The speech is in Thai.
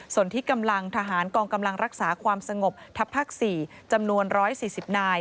ส่วนที่กำลังทหารกองกำลังรักษาความสงบทัพภาค๔จำนวน๑๔๐นาย